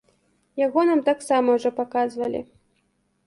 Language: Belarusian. Яго нам таксама ўжо паказвалі.